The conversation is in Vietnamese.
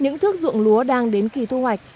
những thước dụng lúa đang đến kỳ thu hoạch